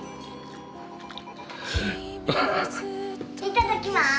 いただきます。